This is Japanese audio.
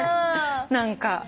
何か。